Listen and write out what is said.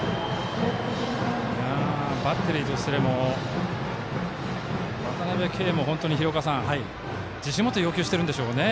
バッテリーとしても渡辺憩も本当に自信持って要求してるんでしょうね。